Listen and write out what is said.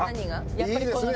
やっぱりこのね。